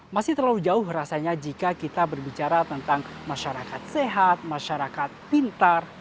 masih terlalu jauh rasanya jika kita berbicara tentang masyarakat sehat masyarakat pintar